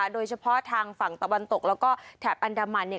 โดยเฉพาะทางฝั่งตะวันตกแล้วก็แถบอันดามันเนี่ย